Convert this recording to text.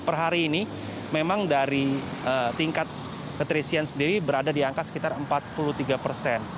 per hari ini memang dari tingkat keterisian sendiri berada di angka sekitar empat puluh tiga persen